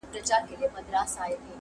چي منلی پر کابل او هندوستان وو!